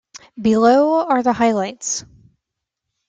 Below are the highlights.